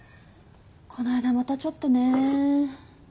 この間またちょっとね。